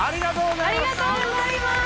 ありがとうございます。